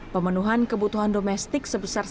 pemenuhan kebutuhan domestik sebesar sembilan juta